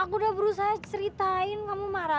aku udah berusaha ceritain kamu marah